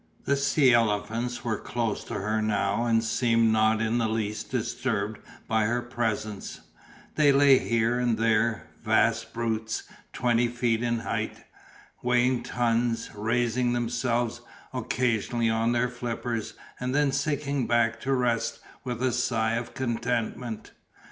The sea elephants were close to her now and seemed not in the least disturbed by her presence, they lay here and there, vast brutes, twenty feet in height, weighing tons, raising themselves occasionally on their flippers and then sinking back to rest with a sigh of contentment.